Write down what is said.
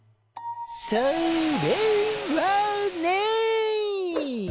それはね。